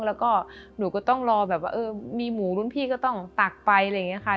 แล้วก็หนูก็ต้องรอแบบว่ามีหมูรุ่นพี่ก็ต้องตักไปอะไรอย่างนี้ค่ะ